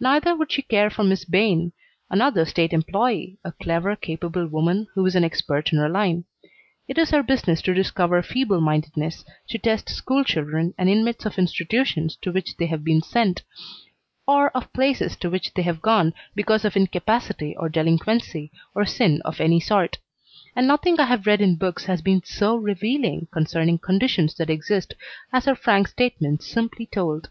Neither would she care for Miss Bayne, another state employee, a clever, capable woman who is an expert in her line. It is her business to discover feeble mindedness, to test school children, and inmates of institutions to which they have been sent, or of places to which they have gone because of incapacity or delinquency or sin of any sort; and nothing I have read in books has been so revealing concerning conditions that exist as her frank statements simply told.